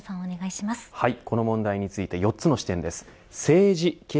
この問題について４つの視点です。